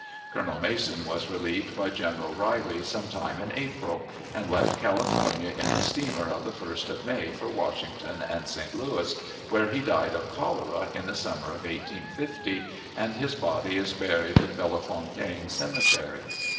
Colonel Mason was relieved by General Riley some time in April, and left California in the steamer of the 1st May for Washington and St. Louis, where he died of cholera in the summer of 1850, and his body is buried in Bellefontaine Cemetery.